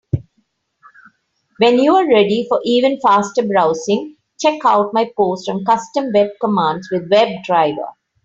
When you are ready for even faster browsing, check out my post on Custom web commands with WebDriver.